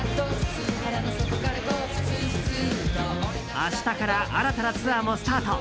明日から新たなツアーもスタート。